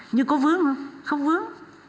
nhưng có vướng không không vướng